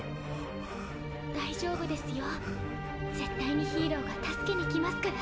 大丈夫ですよ絶対にヒーローが助けに来ますから。